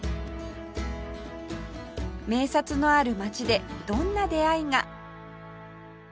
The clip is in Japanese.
名刹のある街でどんな出会いが？